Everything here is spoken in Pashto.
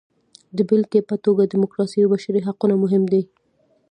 د بېلګې په توګه ډیموکراسي او بشري حقونه مهم دي.